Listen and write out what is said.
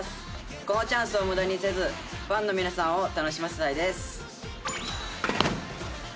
このチャンスを無駄にせずファンの皆さんを楽しませたいです。